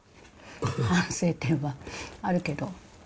反省点はあるけど。